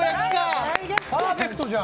パーフェクトじゃん！